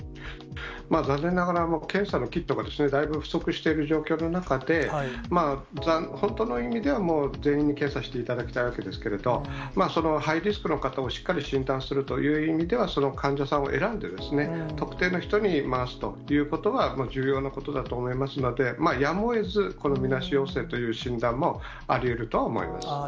残念ながら、検査のキットがですね、だいぶ不足している状況の中で、本当の意味では、もう全員に検査していただきたいわけですけれども、ハイリスクの方をしっかり診断するという意味では、その患者さんを選んで、特定の人に回すということは、重要なことだと思いますので、やむをえずこのみなし陽性という診断もありうるとは思います。